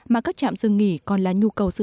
mà các trạm dừng nghỉ còn là nhu cầu sử dụng